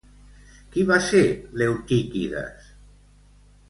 Qui va ser Leotíquides?